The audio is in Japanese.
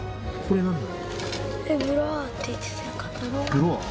ブロワー？